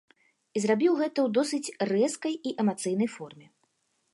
І зрабіў гэта ў досыць рэзкай і эмацыйнай форме.